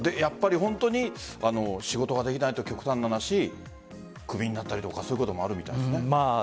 本当に仕事ができないと極端な話クビになったりとかそういうこともあるみたいですね。